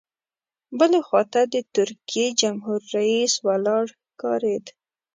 بلې خوا ته د ترکیې جمهور رئیس ولاړ ښکارېد.